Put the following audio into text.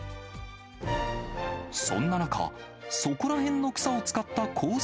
そんな中、そこらへんの草を使ったコース